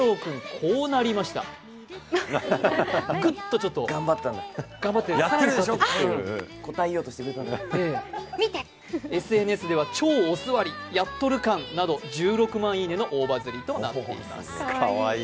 こうなりましたクッと頑張って、やってるでしょとＳＮＳでは超お座り、やっとる感など１６万「いいね」の大バズリとなっています。